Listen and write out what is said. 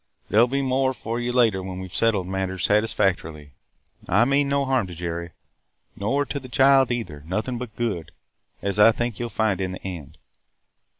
There 'll be more for you later when we 've settled matters satisfactorily. I mean no harm to Jerry – nor to the child either – nothing but good, as I think you 'll find in the end.